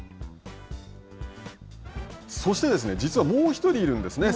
そして実はもう１人いるんですね。